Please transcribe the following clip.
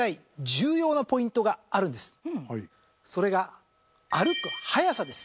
それが歩く速さです。